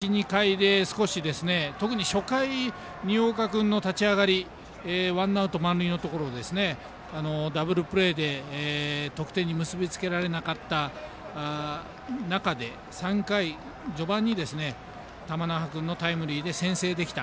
ですから１、２回で特に初回、新岡君の立ち上がりワンアウト、満塁のところをダブルプレーで得点に結び付けられなかった中で３回序盤に玉那覇君のタイムリーで先制できた。